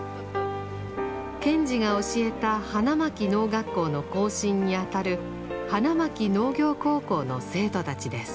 賢治が教えた花巻農学校の後身にあたる花巻農業高校の生徒たちです。